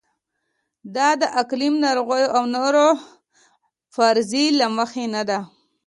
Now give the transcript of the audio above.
دا د اقلیم، ناروغیو او نورو فرضیې له مخې نه ده.